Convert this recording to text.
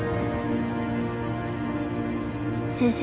先生。